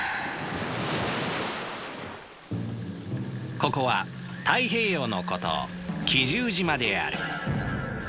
ここは太平洋の孤島奇獣島である。